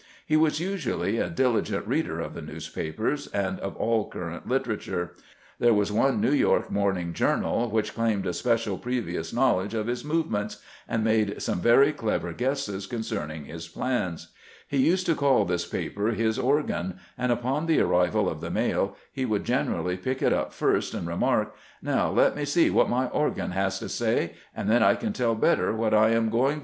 He was usually a diligent reader of the newspapers and of all current literature. There was one New York morning journal which claimed a special previous knowledge of his movements, and made some very clever guesses concerning his plans, He used to call this paper his "organ," and upon the arrival of the mail he would generally pick it up first, and remark :" Now let me see what my organ has to say, and then I can tell better what I am going to do," GRANT AND HIS STAFF AT BETIIEBDA CHURCH.